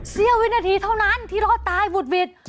เสี้ยววินาทีเท่านั้นที่รอดตายบุดหวิด